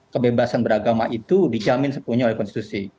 kebebasan beragama itu dijamin sepunya oleh konstitusi